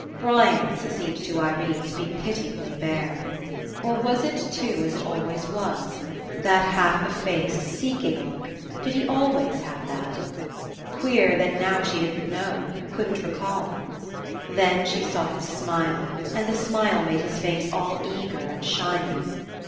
Brian's seemed to Irene to be pitiably bare. Or was it too as it always was? That half effaced seeking look, did he always have that? Queer, 169 PASSING that now she didn't know, couldn't recall. Then she saw him smile, and the smile made his face all eager and shining.